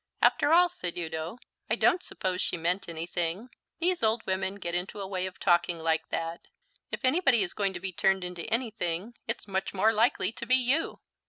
"After all," said Udo, "I don't suppose she meant anything. These old women get into a way of talking like that. If anybody is going to be turned into anything, it's much more likely to be you."